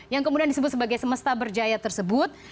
yang kemudian disebut sebagai semesta berjaya tersebut